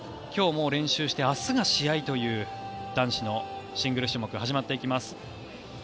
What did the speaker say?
今日、練習して明日が試合という男子のシングル種目が始まっていきます。